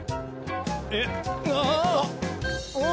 えっ？